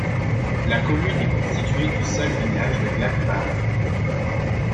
La commune est constituée du seul village de Glattbach.